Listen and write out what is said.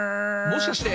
もしかして？